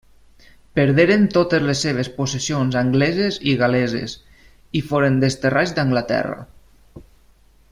Perderen totes les seves possessions angleses i gal·leses, i foren desterrats d'Anglaterra.